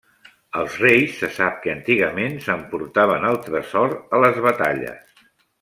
Els reis, se sap que antigament s'emportaven el tresor a les batalles.